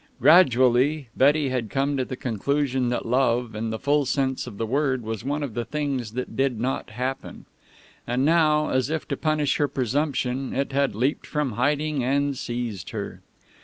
Gradually Betty had come to the conclusion that love, in the full sense of the word, was one of the things that did not happen. And now, as if to punish her presumption, it had leaped from hiding and seized her.